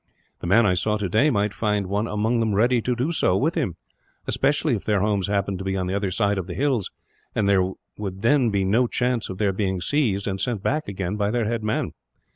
The man I saw today might find one among them ready to do so, with him; especially if their homes happened to be on the other side of the hills, and there would then be no chance of their being seized, and sent back again, by their headman.